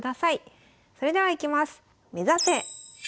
それではいきます！